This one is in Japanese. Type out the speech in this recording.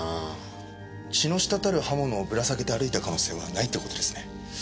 血の滴る刃物をぶら下げて歩いた可能性はないって事ですね。